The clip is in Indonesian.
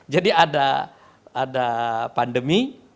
jadi ada pandemi